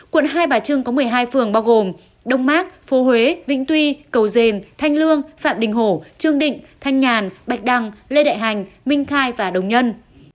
quận hai bà trưng có một mươi hai phường bao gồm đông mát phố huế vĩnh tuy cầu dền thanh lương phạm đình hổ trương định thanh nhàn bạch đăng lê đại hành minh khai và đồng nhân